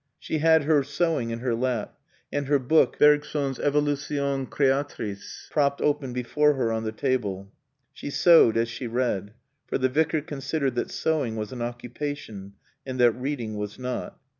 She had her sewing in her lap and her book, Bergson's Évolution créatrice propped open before her on the table. She sewed as she read. For the Vicar considered that sewing was an occupation and that reading was not.